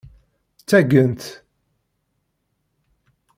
Taggent.